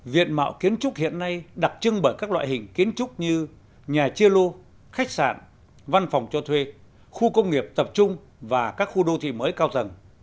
diện mạo kiến trúc hiện nay đặc trưng bởi các loại hình kiến trúc như nhà chia lô khách sạn văn phòng cho thuê khu công nghiệp tập trung và các khu đô thị mới cao tầng